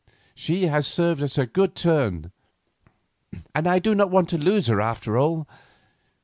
She has served us a good turn, and I do not want to lose her after all."